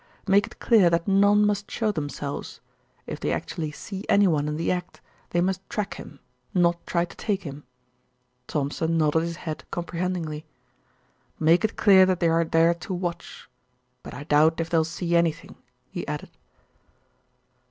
Make it clear that none must show themselves. If they actually see anyone in the act, they must track him, not try to take him." Thompson nodded his head comprehendingly. "Make it clear that they are there to watch; but I doubt if they'll see anything," he added.